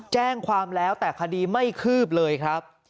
แจ้งความแล้วแต่คดีไม่คืบเลยครับ